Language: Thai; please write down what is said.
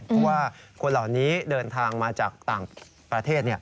เพราะว่าคนเหล่านี้เดินทางมาจากต่างประเทศ